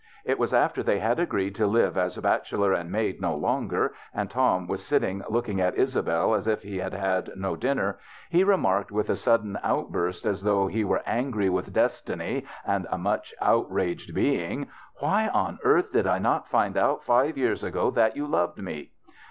It was after they had agreed to live as bachelor and maid no longer, and Tom was sitting looking at Isabelle as if he had had no din ner, he remarked, with a sudden outburst, as though he were angry with destiny and a much outraged being : "Why on earth did I not find out five years ago that you loved me?